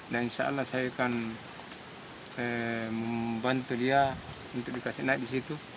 dan insya allah saya akan membantu dia untuk dikasih naik di situ